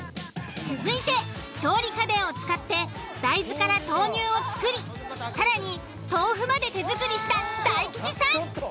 続いて調理家電を使って大豆から豆乳を作り更に豆腐まで手作りした大吉さん。